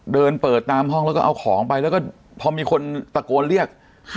เดินเปิดตามห้องแล้วก็เอาของไปแล้วก็พอมีคนตะโกนเรียก